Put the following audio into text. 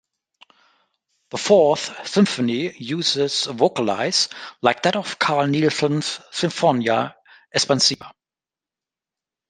The fourth symphony uses a vocalise like that of Carl Nielsen's "Sinfonia Espansiva".